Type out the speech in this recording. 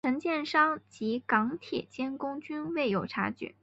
承建商及港铁监工均未有察觉。